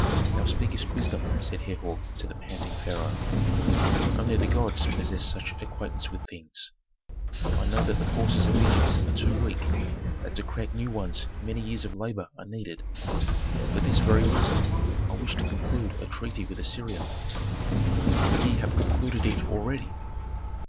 "Thou speakest wisdom," said Herhor to the panting pharaoh. "Only the gods possess such acquaintance with things. I know that the forces of Egypt are too weak; that to create new ones many years of labor are needed. For this very reason I wish to conclude a treaty with Assyria." "But ye have concluded it already!"